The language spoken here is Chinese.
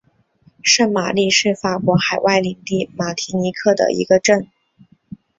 圣玛丽是法国海外领地马提尼克的一个镇。